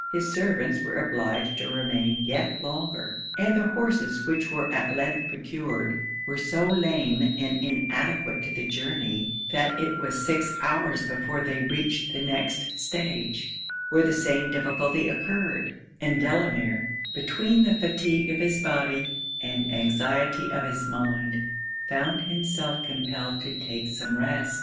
His servants were obliged to remain yet longer; and the horses which were at length procured, were so lame and inadequate to the journey, that it was six hours before they reached the next stage; where the same difficulty occurred; and Delamere, between the fatigue of his body and anxiety of his mind, found himself compelled to take some rest.